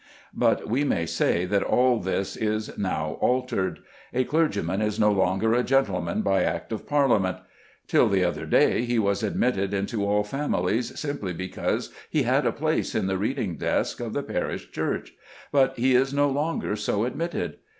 But we may say that all this is now altered. A clergyman is no longer a gentleman by Act of Parliament. Till the other day he was admitted into all families simply because he had a place in the reading desk of the parish church; but he is no longer so admitted.